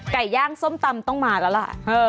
ไก่ย่างส้มตำต้องมาแล้วล่ะ